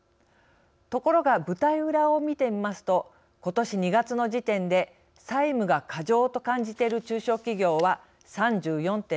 ところが舞台裏を見てみますとことし２月の時点で債務が過剰と感じている中小企業は３４．７％。